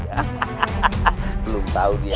hahaha belum tau dia